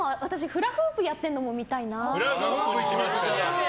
フラフープやってるのも見たいな。